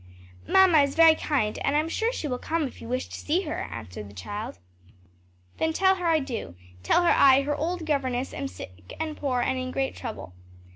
"Mamma is very kind and I am sure she will come if you wish to see her," answered the child. "Then tell her I do; tell her I, her old governess, am sick and poor and in great trouble."